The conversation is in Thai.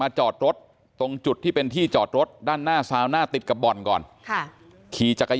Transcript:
ไปทำแผนจุดเริ่มต้นที่เข้ามาที่บ่อนที่พระราม๓ซอย๖๖เลยนะครับทุกผู้ชมครับ